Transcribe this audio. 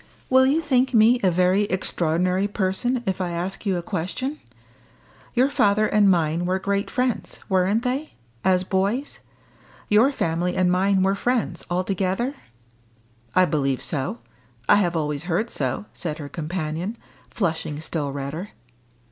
"Will you think me a very extraordinary person if I ask you a question? Your father and mine were great friends, weren't they, as boys? your family and mine were friends, altogether?" "I believe so I have always heard so," said her companion, flushing still redder.